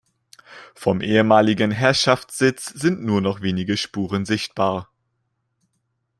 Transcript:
Vom ehemaligen Herrschaftssitz sind nur noch wenige Spuren sichtbar.